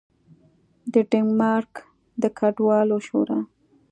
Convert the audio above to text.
د ډنمارک د کډوالو شورا